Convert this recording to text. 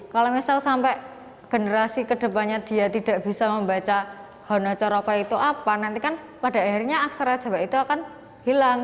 kalau misal sampai generasi kedepannya dia tidak bisa membaca honacoropa itu apa nanti kan pada akhirnya aksara jawa itu akan hilang